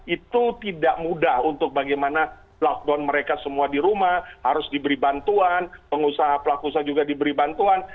itu tidak mudah untuk bagaimana lockdown mereka semua di rumah harus diberi bantuan pengusaha pelaku usaha juga diberi bantuan